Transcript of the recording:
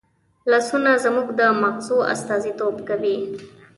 لاسونه زموږ د مغزو استازیتوب کوي